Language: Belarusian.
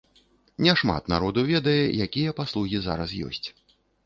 Не шмат народу ведае, якія паслугі зараз ёсць.